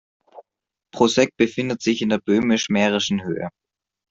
Proseč befindet sich in der Böhmisch-Mährischen Höhe.